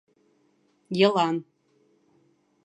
Йылан.